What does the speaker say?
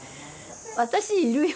私いるよ。